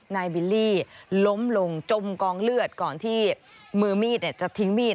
บิลลี่ล้มลงจมกองเลือดก่อนที่มือมีดจะทิ้งมีด